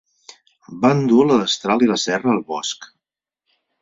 Van dur la destral i la serra al bosc.